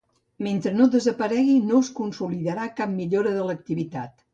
Mentre no desaparegui, no es consolidarà cap millora de l’activitat.